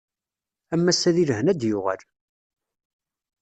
Am wass-a di lehna ad d-yuɣal.